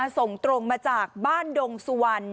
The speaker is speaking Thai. ส่งตรงมาจากบ้านดงสุวรรณ